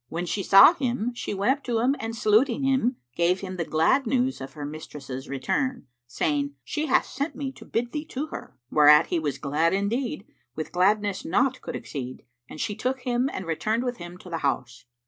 When she saw him, she went up to him and saluting him, gave him the glad news of her mistress's return, saying, "She hath sent me to bid thee to her." Whereat he was glad indeed, with gladness naught could exceed; and she took him and returned with him to the house.